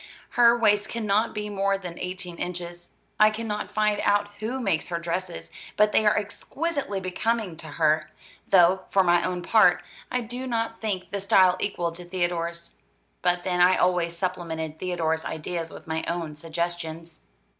Her waist cannot be more than eighteen inches. I cannot find out who makes her dresses, but they are exquisitely becoming to her; though, for my own part, I do not think the style equal to Theodore's. But then I always supplemented Theodore's ideas with my own suggestions.